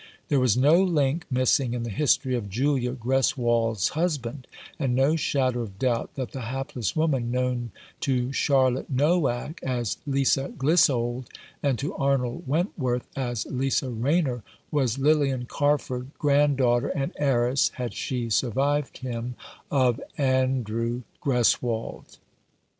There was no link missing in the history of Julia Greswold's husband, and no shadow of doubt that the hapless woman known to Charlotte Noack as Lisa Clissold, and to Arnold Wentworth as Lisa Rayner, was Lilian Carford, granddaughter and heiress, had she survived him, of Andrew Greswold.